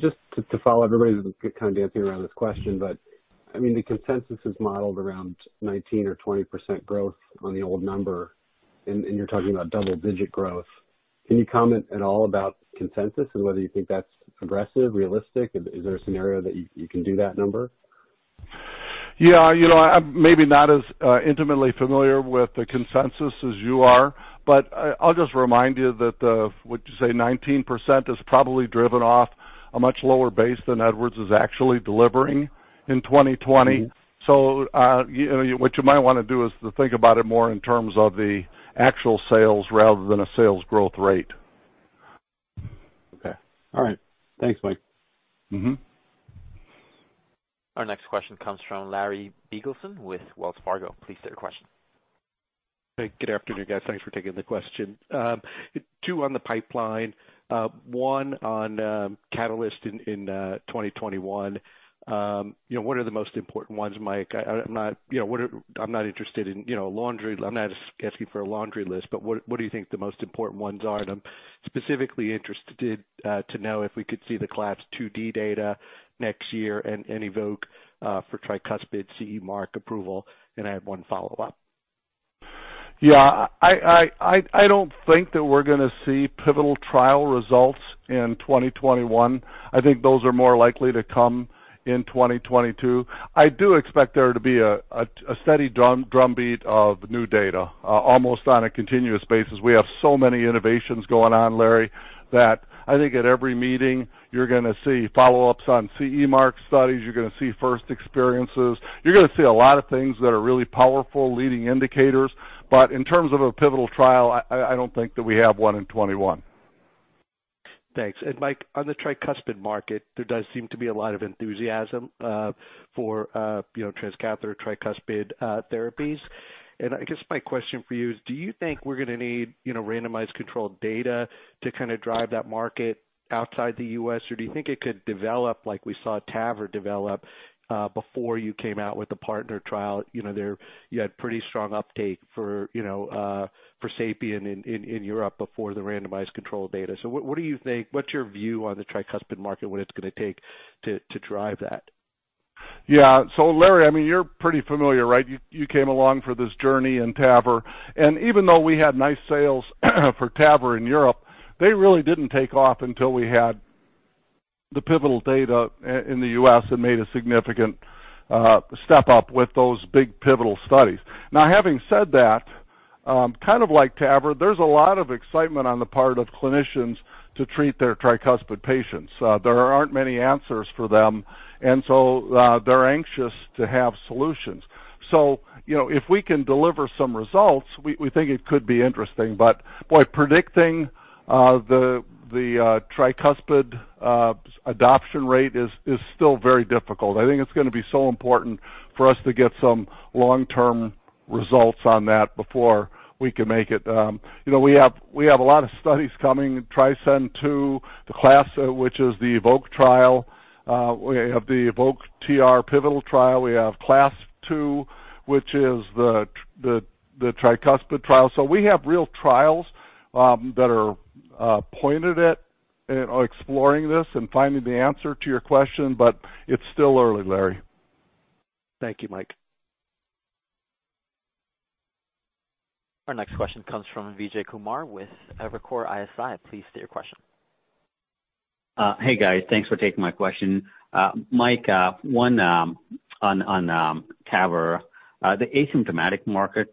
Just to follow, everybody's kind of dancing around this question, the consensus is modeled around 19% or 20% growth on the old number. You're talking about double-digit growth. Can you comment at all about consensus and whether you think that's aggressive, realistic? Is there a scenario that you can do that number?
Yeah. I'm maybe not as intimately familiar with the consensus as you are. I'll just remind you that the, would you say, 19% is probably driven off a much lower base than Edwards is actually delivering in 2020. What you might want to do is to think about it more in terms of the actual sales rather than a sales growth rate.
Okay. All right. Thanks, Mike.
Our next question comes from Larry Biegelsen with Wells Fargo. Please state your question.
Hey, good afternoon, guys. Thanks for taking the question. Two on the pipeline. One on catalyst in 2021. What are the most important ones, Mike? I'm not asking for a laundry list, but what do you think the most important ones are? I'm specifically interested to know if we could see the CLASP IID data next year and EVOQUE Tricuspid CE mark approval. I have one follow-up.
Yeah. I don't think that we're going to see pivotal trial results in 2021. I think those are more likely to come in 2022. I do expect there to be a steady drumbeat of new data, almost on a continuous basis. We have so many innovations going on, Larry, that I think at every meeting you're going to see follow-ups on CE mark studies, you're going to see first experiences. You're going to see a lot of things that are really powerful leading indicators. In terms of a pivotal trial, I don't think that we have one in 2021.
Thanks. Mike, on the tricuspid market, there does seem to be a lot of enthusiasm for transcatheter tricuspid therapies. I guess my question for you is, do you think we're going to need randomized controlled data to kind of drive that market outside the U.S., or do you think it could develop like we saw TAVR develop before you came out with the PARTNER trial? You had pretty strong uptake for SAPIEN in Europe before the randomized controlled data. What do you think? What's your view on the tricuspid market, what it's going to take to drive that?
Yeah. Larry, you're pretty familiar, right? You came along for this journey in TAVR, and even though we had nice sales for TAVR in Europe, they really didn't take off until we had the pivotal data in the U.S. that made a significant step up with those big pivotal studies. Now, having said that, kind of like TAVR, there's a lot of excitement on the part of clinicians to treat their tricuspid patients. There aren't many answers for them, and so they're anxious to have solutions. If we can deliver some results, we think it could be interesting. Boy, predicting the tricuspid adoption rate is still very difficult. I think it's going to be so important for us to get some long-term results on that before we can make it. We have a lot of studies coming, TRISCEND II, the CLASP, which is the EVOQUE trial. We have the EVOQUE TR pivotal trial. We have CLASP II TR, which is the tricuspid trial. We have real trials that are pointed at exploring this and finding the answer to your question. It's still early, Larry.
Thank you, Mike.
Our next question comes from Vijay Kumar with Evercore ISI. Please state your question.
Hey, guys. Thanks for taking my question. Mike, one on TAVR. The asymptomatic market,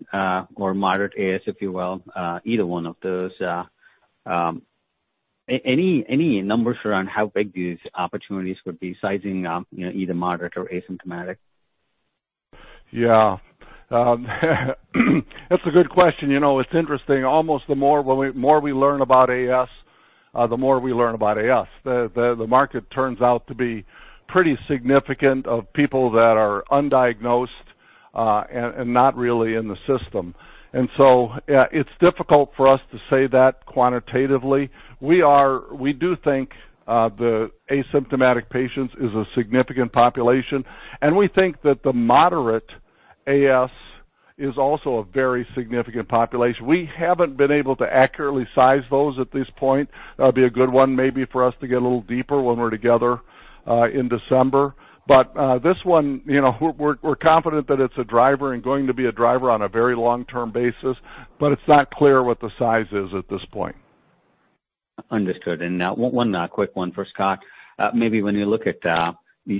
or moderate AS if you will, either one of those. Any numbers around how big these opportunities could be sizing either moderate or asymptomatic?
Yeah. That's a good question. It's interesting. Almost the more we learn about AS, the more we learn about AS. The market turns out to be pretty significant of people that are undiagnosed and not really in the system. It's difficult for us to say that quantitatively. We do think the asymptomatic patients is a significant population, and we think that the moderate AS is also a very significant population. We haven't been able to accurately size those at this point. That'd be a good one maybe for us to get a little deeper when we're together in December. This one, we're confident that it's a driver and going to be a driver on a very long-term basis, but it's not clear what the size is at this point.
Understood. One quick one for Scott. Maybe when you look at the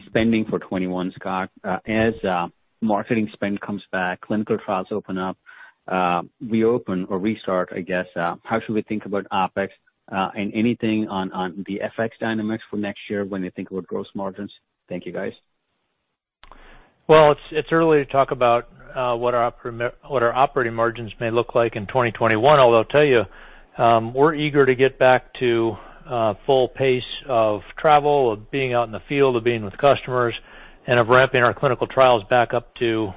spending for 2021, Scott, as marketing spend comes back, clinical trials open up, reopen or restart, I guess, how should we think about OPEX, and anything on the FX dynamics for next year when you think about gross margins? Thank you, guys.
It's early to talk about what our operating margins may look like in 2021, although I'll tell you, we're eager to get back to full pace of travel, of being out in the field, of being with customers, and of ramping our clinical trials back up to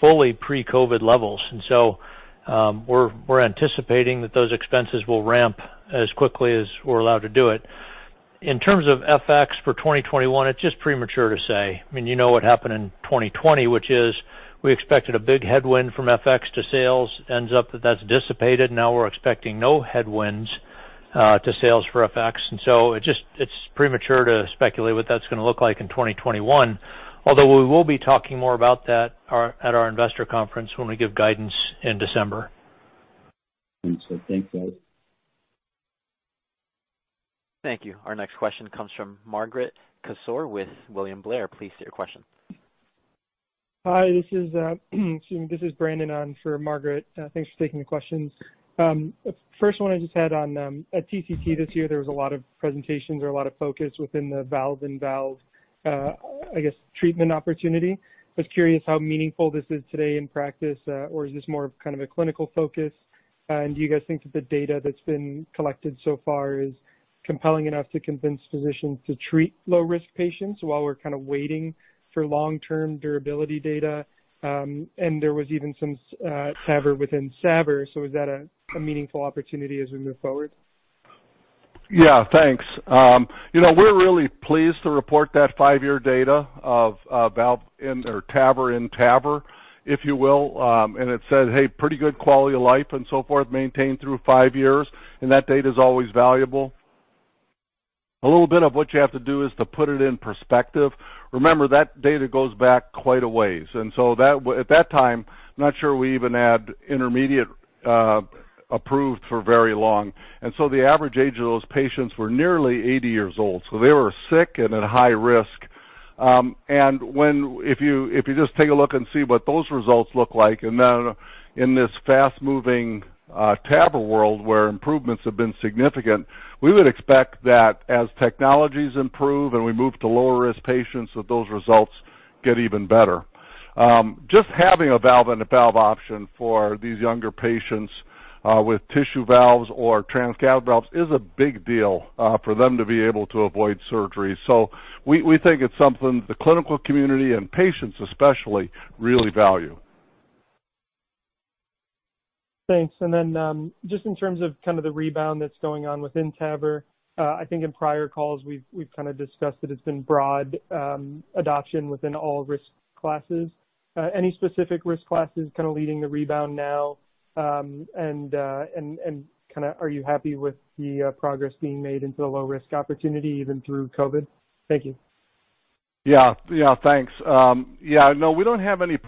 fully pre-COVID levels. We're anticipating that those expenses will ramp as quickly as we're allowed to do it. In terms of FX for 2021, it's just premature to say. You know what happened in 2020, which is we expected a big headwind from FX to sales. Ends up that that's dissipated. We're expecting no headwinds to sales for FX. It's premature to speculate what that's going to look like in 2021. Although we will be talking more about that at our investor conference when we give guidance in December.
Understood. Thanks, guys.
Thank you. Our next question comes from Margaret Kaczor with William Blair. Please state your question.
Hi, this is Brandon on for Margaret. Thanks for taking the questions. First one I just had on, at TCT this year, there was a lot of presentations or a lot of focus within the valve-in-valve, I guess, treatment opportunity. I was curious how meaningful this is today in practice, or is this more of kind of a clinical focus? Do you guys think that the data that's been collected so far is compelling enough to convince physicians to treat low-risk patients while we're kind of waiting for long-term durability data? There was even some TAVR within TAVR, so is that a meaningful opportunity as we move forward?
Yeah, thanks. We're really pleased to report that five-year data of valve in or TAVR in TAVR, if you will. It said, hey, pretty good quality of life and so forth maintained through five years, that data is always valuable. A little bit of what you have to do is to put it in perspective. Remember, that data goes back quite a ways. At that time, I'm not sure we even had intermediate approved for very long. The average age of those patients were nearly 80 years old. They were sick and at high risk. If you just take a look and see what those results look like, then in this fast-moving TAVR world where improvements have been significant, we would expect that as technologies improve and we move to lower risk patients, that those results get even better. Just having a valve in a valve option for these younger patients with tissue valves or transcatheter valves is a big deal for them to be able to avoid surgery. We think it's something that the clinical community and patients especially, really value.
Thanks. Just in terms of the rebound that's going on within TAVR, I think in prior calls we've kind of discussed that it's been broad adoption within all risk classes. Any specific risk classes kind of leading the rebound now? Are you happy with the progress being made into the low-risk opportunity, even through COVID? Thank you.
Yeah. Thanks. No, we don't have any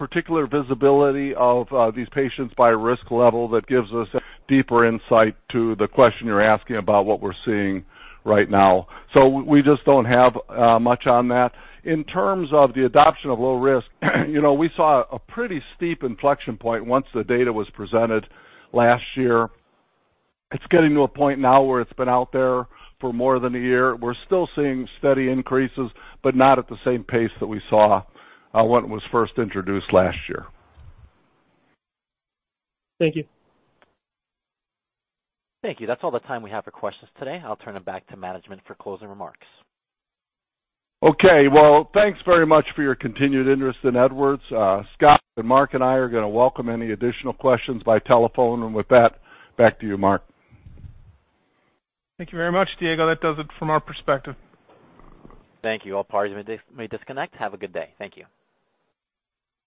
particular visibility of these patients by risk level that gives us deeper insight to the question you're asking about what we're seeing right now. We just don't have much on that. In terms of the adoption of low risk, we saw a pretty steep inflection point once the data was presented last year. It's getting to a point now where it's been out there for more than a year. We're still seeing steady increases, but not at the same pace that we saw when it was first introduced last year.
Thank you.
Thank you. That's all the time we have for questions today. I'll turn it back to management for closing remarks.
Okay. Well, thanks very much for your continued interest in Edwards. Scott and Mark and I are going to welcome any additional questions by telephone. With that, back to you, Mark.
Thank you very much, Diego. That does it from our perspective.
Thank you. All parties may disconnect. Have a good day. Thank you.